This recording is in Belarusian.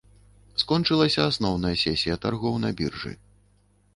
Скончылася асноўная сесія таргоў на біржы.